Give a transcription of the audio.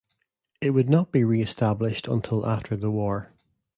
It would not be reestablished until after the war.